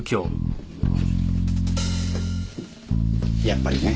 やっぱりね。